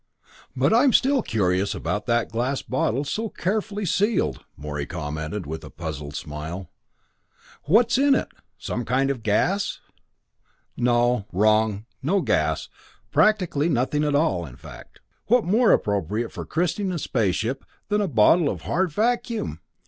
"But I'm still curious about that glass bottle, so carefully sealed." Morey commented with a puzzled smile. "What's in it? Some kind of gas?" "Wrong no gas practically nothing at all, in fact. What more appropriate for christening a space ship than a bottle of hard vacuum?